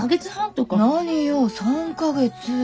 何よ３か月。